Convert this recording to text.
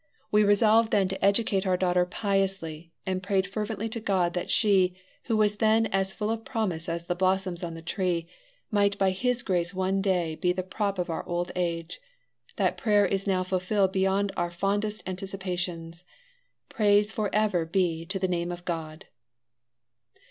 We resolved then to educate our daughter piously, and prayed fervently to God that she, who was then as full of promise as the blossoms on the tree, might by his grace one day be the prop of our old age. That prayer is now fulfilled beyond our fondest anticipations. Praise for ever be to the name of God!"